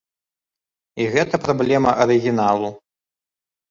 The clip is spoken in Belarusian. І гэта праблема арыгіналу.